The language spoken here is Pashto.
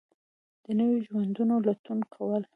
د نویو ژوندونو لټون کول